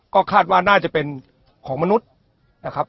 ก็คาดว่าน่าจะเป็นของมนุษย์นะครับ